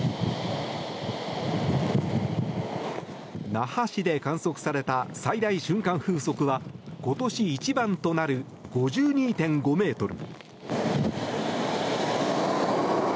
那覇市で観測された最大瞬間風速は今年一番となる５２．５メートル。